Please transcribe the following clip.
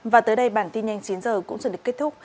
và tới đây bản tin nhanh chín h cũng chuẩn định kết thúc